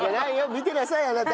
見てなさいあなた。